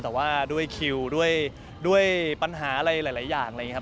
แต่ว่าด้วยคิวด้วยปัญหาอะไรหลายอย่างอะไรอย่างนี้ครับ